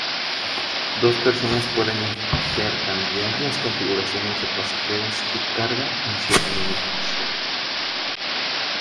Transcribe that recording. Dos personas pueden intercambiar las configuraciones de pasajeros y carga en siete minutos.